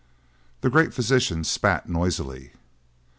The great physician spat noisily.